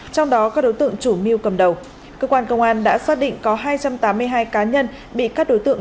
trong đó các đối tượng chủ mưu cầm đầu cơ quan công an đã xác định có hai trăm tám mươi hai cá nhân bị các đối tượng